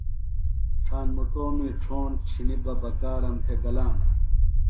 ڇھاݨ مُٹومی ڇھوݨ چِھنی بہ بکارم تھےۡ گلانہ۔